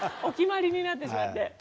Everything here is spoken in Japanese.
お決まりになってしまって。